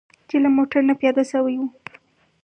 چې له موټر نه پیاده شوي وو.